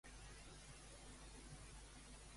De quina manera mor?